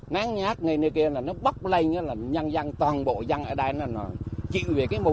náng nhát ngay nơi kia là nó bốc lên là nhăn nhăn toàn bộ nhăn ở đây là nó chịu